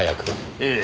ええ。